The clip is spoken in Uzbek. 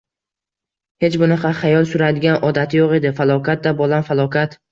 Hech bunaqa xayol suradigan odati yoʻq edi, falokat-da, bolam, falokat.